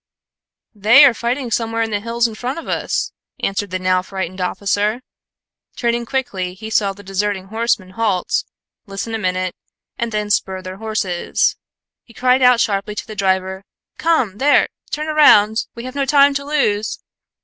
"They are fighting somewhere in the hills in front of us," answered the now frightened officer. Turning quickly, he saw the deserting horsemen halt, listen a minute, and then spur their horses. He cried out sharply to the driver, "Come, there! Turn round! We have no time to lose!"